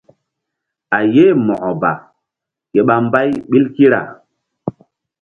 A ye Mo̧ko ba ke ɓa mbay ɓil kira.